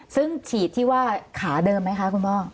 ซึ่งฉีดที่ว่าขาเดิมไหมคะคุณพ่อ